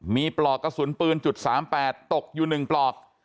มีปลอกกระสุนปืนจุดสามแปดตกอยู่หนึ่งปลอก